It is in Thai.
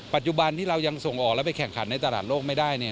ปัจจุบันที่เรายังส่งออกแล้วไปแข่งขันในตลาดโลกไม่ได้